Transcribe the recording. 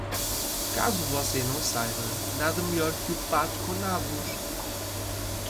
Caso você não saiba, nada melhor que o pato com nabos.